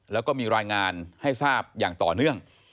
แล้วก็มีรายงานให้ทราบอย่างต่อเนื่อง